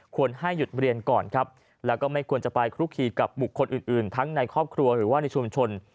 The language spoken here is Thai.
ให้หยุดเรียนก่อนครับแล้วก็ไม่ควรจะไปคลุกคีกับบุคคลอื่นทั้งในครอบครัวหรือว่าในชุมชน